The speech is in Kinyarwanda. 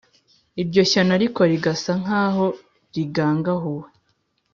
iryo shyano ariko rigasa nk’aho rigangahuwe